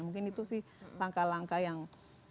mungkin itu sih langkah langkah yang